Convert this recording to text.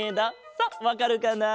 さあわかるかな？